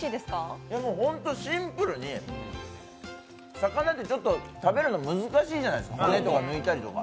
シンプルに魚ってちょっと食べるの難しいじゃないですか、骨とか抜いたりとか。